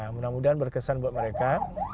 mudah mudahan berkesan buat mereka